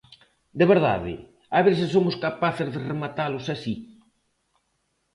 De verdade, a ver se somos capaces de rematalos así.